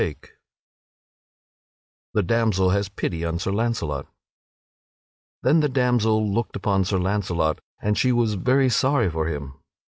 [Sidenote: The damsel has pity for Sir Launcelot] Then the damsel looked upon Sir Launcelot, and she was very sorry for him.